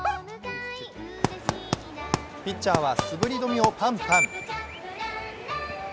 ピッチャーは滑り止めをパンパン。